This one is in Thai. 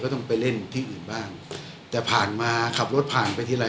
ต้องไปเล่นที่อื่นบ้างแต่ผ่านมาขับรถผ่านไปทีไร